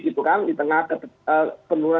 gitu kan di tengah penurunan